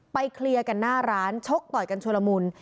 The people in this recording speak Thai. เคลียร์กันหน้าร้านชกต่อยกันชุลมุน